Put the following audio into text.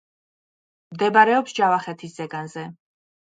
მდებარეობს ჯავახეთის ზეგანზე.